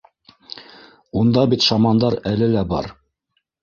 Унда бит шамандар әле лә бар.